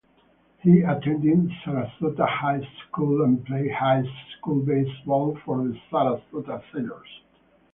He attended Sarasota High School, and played high school baseball for the Sarasota Sailors.